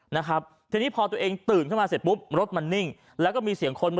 นะครับทีนี้พอตัวเองตื่นขึ้นมาเสร็จปุ๊บรถมันนิ่งแล้วก็มีเสียงคน